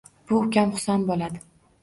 Bu ukam Husan bo`ladi